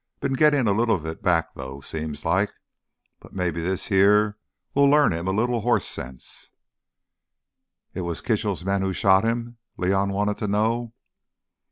Been gittin' a little of it back, though, seems like. But maybe this here will learn him a little hoss sense—" "It was Kitchell's men who shot him?" León wanted to know.